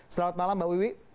selamat malam mbak wiwi